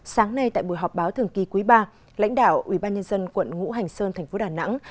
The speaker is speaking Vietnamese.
sáng nay tại buổi họp báo thường kỳ quý ba lãnh đạo ubnd quận ngũ hành sơn thành phố đà nẵng